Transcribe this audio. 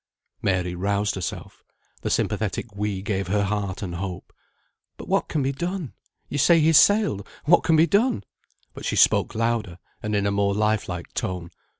Mary roused herself. The sympathetic "we" gave her heart and hope. "But what can be done? You say he's sailed; what can be done?" But she spoke louder, and in a more life like tone.